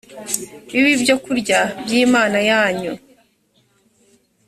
bibe ibyo kurya by imana yanyu